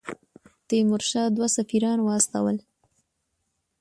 تیمورشاه دوه سفیران واستول.